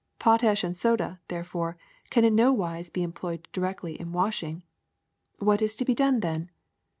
Pot ash and soda, therefore, can in no wise be employed directly in washing. What is to be done then